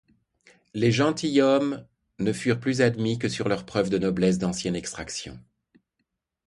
Les gentilshommes ne furent plus admis que sur leurs preuves de noblesse d'ancienne extraction.